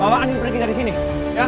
bawa anjir pergi dari sini ya